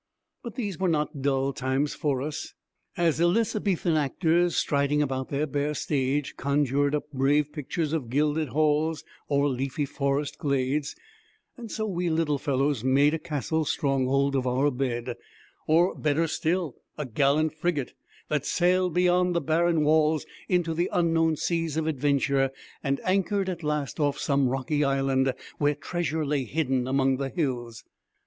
But these were not dull times for us. As Elizabethan actors, striding about their bare stage, conjured up brave pictures of gilded halls or leafy forest glades, so we little fellows made a castle stronghold of our bed; or better still, a gallant frigate that sailed beyond the barren walls into unknown seas of adventure, and anchored at last off some rocky island where treasure lay hidden among the hills.